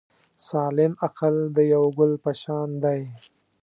سالم عقل د یو ګل په شان دی.